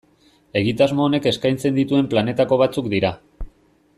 Egitasmo honek eskaintzen dituen planetako batzuk dira.